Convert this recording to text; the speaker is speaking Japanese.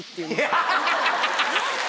ハハハハ！